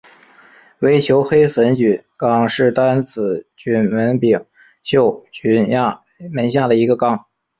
微球黑粉菌纲是担子菌门柄锈菌亚门下的一个纲。